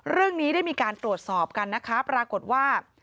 เรื่องนี้ได้มีการตรวจสอบกันนะคะปรากฏว่า